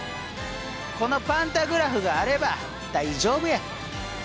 このパンタグラフがあれば大丈夫や！